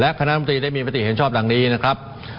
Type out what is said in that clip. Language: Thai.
และคณะห้ามที่ได้มีปฏิเห็นชอบดังนี้นะครับ